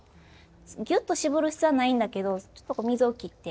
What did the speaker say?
ぎゅっと絞る必要はないんだけどちょっと水を切って。